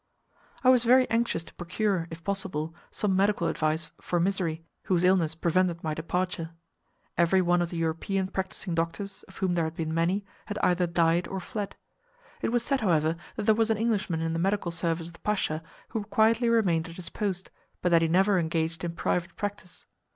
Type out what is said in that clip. I was very anxious to procure, if possible, some medical advice for Mysseri, whose illness prevented my departure. Every one of the European practising doctors, of whom there had been many, had either died or fled. It was said, however, that there was an Englishman in the medical service of the Pasha who quietly remained at his post, but that he never engaged in private practice.